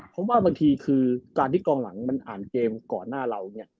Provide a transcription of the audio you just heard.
เพราะบางทีการที่กองหลังอ่านเกมก่อนหน้าเรา